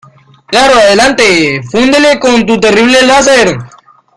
Claro, adelante. Fúndele con tu terrible láser .